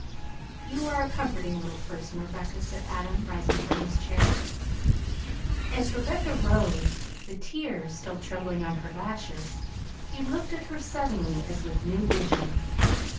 "You are a comforting little person, Rebecca," said Adam, rising from his chair. As Rebecca rose, the tears still trembling on her lashes, he looked at her suddenly as with new vision.